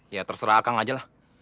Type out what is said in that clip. ya terserah kang ajalah